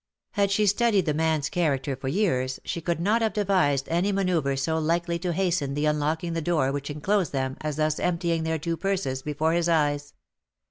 Had she studied the man's character for years, she could not have devised any manoeuvre so likely to hasten the unlocking the door which enclosed them as thus emptying their two purses before his eyes.